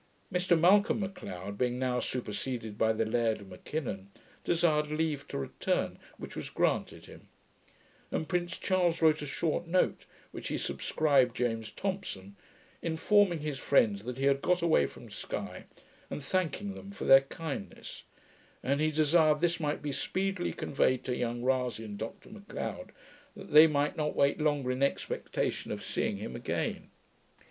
Mr Malcolm M'Leod being now superseded by the Laird of M'Kinnon, desired leave to return, which was granted him, and Prince Charles wrote a short note, which he subscribed 'James Thompson', informing his friends that he had got away from Sky, and thanking them for their kindness; and he desired this might be speedily conveyed to young Rasay and Dr Macleod, that they might not wait longer in expectation of seeing him again.